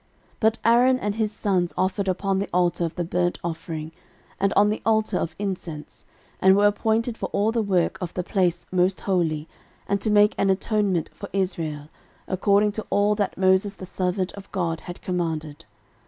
13:006:049 But Aaron and his sons offered upon the altar of the burnt offering, and on the altar of incense, and were appointed for all the work of the place most holy, and to make an atonement for Israel, according to all that Moses the servant of God had commanded.